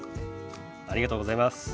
ありがとうございます。